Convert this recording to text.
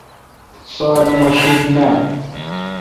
سو الو مہ شید نان